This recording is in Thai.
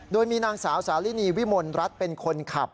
โดยมีนางสาวสาลินีวิมลรัฐเป็นคนขับ